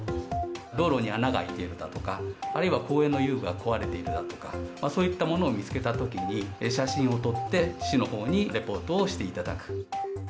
道路に穴が開いているだとか、あるいは公園の遊具が壊れているだとか、そういったものを見つけたときに、写真を撮って、市のほうにレポートをしていただく。